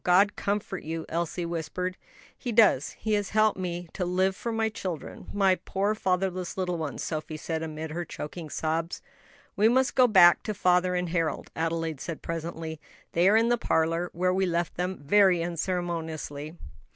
God comfort you!" Elsie whispered. "He does, He has helped me to live for my children, my poor fatherless little ones," Sophie said, amid her choking sobs. "We must go back to father and Harold," Adelaide said presently. "They are in the parlor, where we left them very unceremoniously."